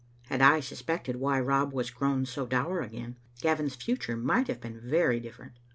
Had I suspected why Rob was grown so dour again, Gavin's future might have been very different.